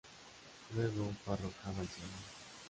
Luego fue arrojada al suelo.